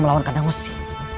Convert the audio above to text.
melawan kandang wesi